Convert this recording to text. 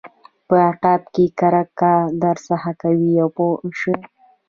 په غیاب کې کرکه درڅخه کوي پوه شوې!.